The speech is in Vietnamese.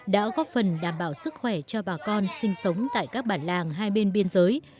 đã góp phần đảm bảo sức khỏe cho bà con sinh sống tại các bản làng hai bên biên giới